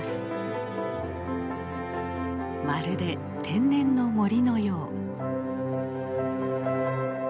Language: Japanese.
まるで天然の森のよう。